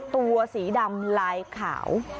ตัวสีดำลายขาว